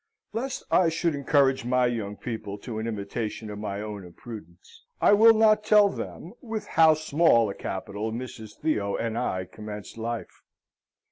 Lest I should encourage my young people to an imitation of my own imprudence, I will not tell them with how small a capital Mrs. Theo and I commenced life.